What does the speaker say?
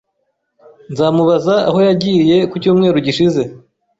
Nzamubaza aho yagiye ku cyumweru gishize.